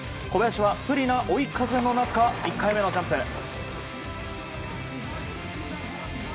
小林は、不利な追い風の中１回目のジャンプ。